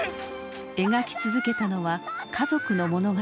描き続けたのは家族の物語。